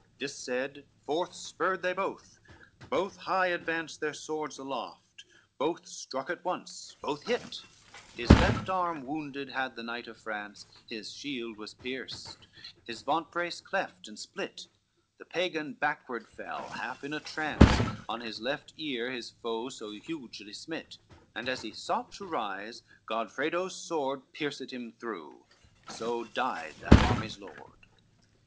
CXXXIX This said, forth spurred they both, both high advance Their swords aloft, both struck at once, both hit, His left arm wounded had the knight of France, His shield was pierced, his vantbrace cleft and split, The Pagan backward fell, half in a trance, On his left ear his foe so hugely smit, And as he sought to rise, Godfredo's sword Pierced him through, so died that army's lord.